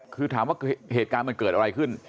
คือถามว่าเหตุการณ์มันเกิดอะไรขึ้น